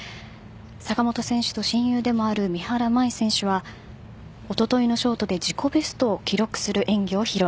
坂本選手と親友でもある三原舞依選手はおとといのショートで自己ベストを記録する演技を披露。